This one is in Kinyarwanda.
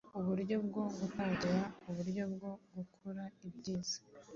Uburyo bwo gutangira, uburyo bwo gukora ibyiza